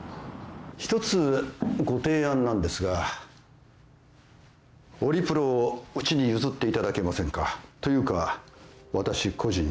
一つご提案なんですがオリプロをうちに譲っていただけませんか。というか私個人に。